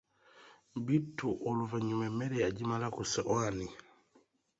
Bittu oluvannyuma emmere yagimala ku ssowaani.